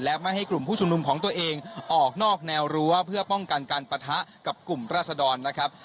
และไม่ให้กลุ่มผู้ชุมนุมของตัวเองออกนอกแนวรั้วเพื่อป้องกันการปะทะกับกลุ่มราศดรนะครับ